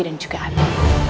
dan juga aku